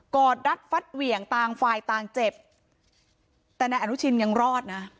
อดรัดฟัดเหวี่ยงต่างฝ่ายต่างเจ็บแต่นายอนุชินยังรอดนะ